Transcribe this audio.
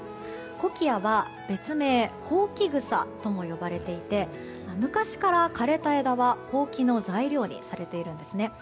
コキアは、別名ホウキグサとも呼ばれていて昔から枯れた枝は、ほうきの材料にされているんですね。